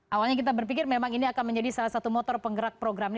awalnya kita berpikir memang ini akan menjadi salah satu motor penggerak program ini